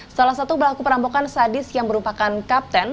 salah satu pelaku perampokan sadis yang merupakan kapten